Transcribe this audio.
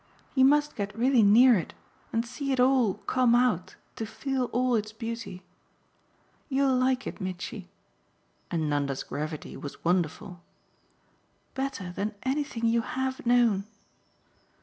You must get really near it and see it all come out to feel all its beauty. You'll like it, Mitchy" and Nanda's gravity was wonderful "better than anything you HAVE known."